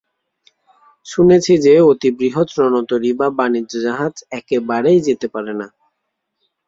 শুনেছি যে, অতি বৃহৎ রণতরী বা বাণিজ্য-জাহাজ একেবারেই যেতে পারে না।